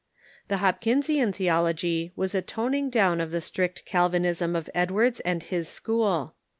The Ilopkinsian theology Avas a toning down of the strict Calvinism of Edwards and his school.